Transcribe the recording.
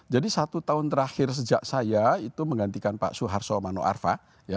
jadi satu tahun terakhir sejak saya itu menggantikan pak suharto mano arfa